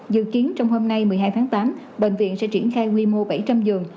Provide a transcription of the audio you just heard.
dự kiến trong hôm nay một mươi hai tháng tám bệnh viện sẽ triển khai quy mô bảy trăm linh giường